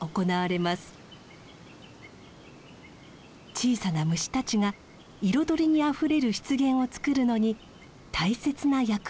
小さな虫たちが彩りにあふれる湿原をつくるのに大切な役割を担っているのです。